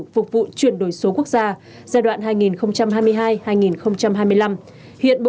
phục vụ chuyển đổi số quốc gia giai đoạn hai nghìn hai mươi hai hai nghìn hai mươi năm hiện bộ công an và bộ tài nguyên và môi trường